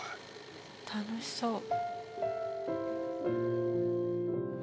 楽しそう。